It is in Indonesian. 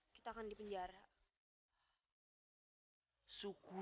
kita akan dipenuhi